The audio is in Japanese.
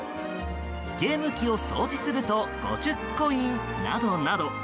ゲーム機を掃除すると５０コインなどなど。